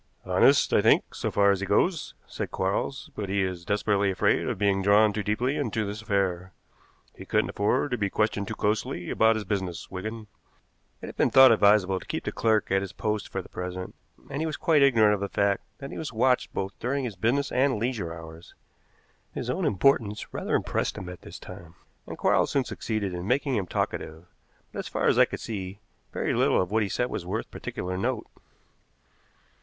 "Honest, I think, so far as he goes," said Quarles, "but he is desperately afraid of being drawn too deeply into this affair. He couldn't afford to be questioned too closely about his business, Wigan." It had been thought advisable to keep the clerk at his post for the present, and he was quite ignorant of the fact that he was watched both during his business and leisure hours. His own importance rather impressed him at this time, and Quarles soon succeeded in making him talkative, but, as far as I could see, very little of what he said was worth particular note.